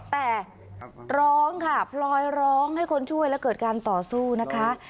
แต่ร้องค่ะพลอยร้องให้คนช่วยและเกิดการต่อสู้นะคะ